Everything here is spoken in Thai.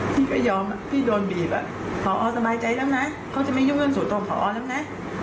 พี่ก็ยอมพี่โดนบีบพอสบายใจแล้วนะเขาจะไม่ยุ่งเรื่องสู่ตัวพอแล้วนะ